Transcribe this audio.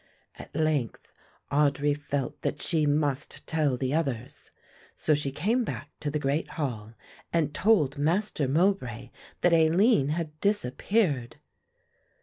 At length Audry felt that she must tell the others. So she came back to the great hall and told Master Mowbray that Aline had disappeared.